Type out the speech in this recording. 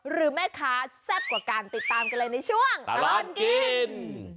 หรือแม่ค้าแซ่บกว่ากันติดตามกันเลยในช่วงตลอดกิน